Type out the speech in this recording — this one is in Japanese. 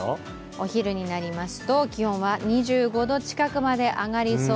お昼になりますと、気温は２５度近くまで上がりそう。